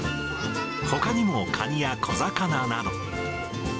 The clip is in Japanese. ほかにもカニや小魚など。